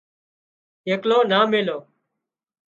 ايڪلو نا ميلو